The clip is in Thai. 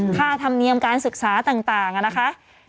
ค่าธรรมเนียมการศึกษาต่างนะคะ